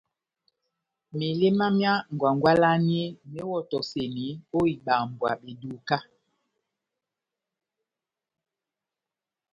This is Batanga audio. Meléma myá ngwangwalani méwɔtɔseni o ibambwa beduka.